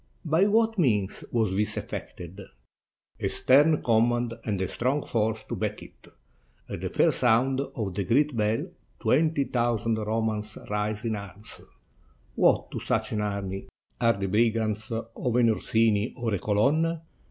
*'By what means was this effected?" "A stern command and a strong force to back it. At the first sound of the great bell, twenty thousand Ro mans rise in arms. What to such an army are the brigands of an Orsini or a Colonna?